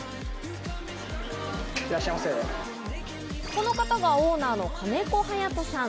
この方がオーナーの金子隼人さん。